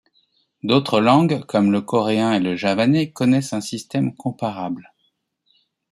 D'autres langues, comme le coréen et le javanais, connaissent un système comparable.